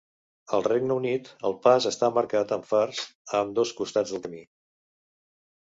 Al Regne Unit, el pas està marcat amb fars a ambdós costats del camí.